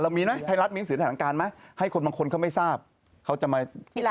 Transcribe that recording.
เรามีนะไทยรัฐมีหนังสือแถวแหล่งการมั้ยให้คนบางคนเขาไม่ทราบเขาจะมา